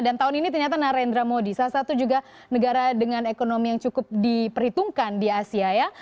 dan tahun ini ternyata narendra modi salah satu juga negara dengan ekonomi yang cukup diperhitungkan di asia ya